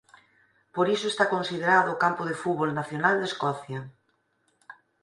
Por iso está considerado o campo de fútbol nacional de Escocia.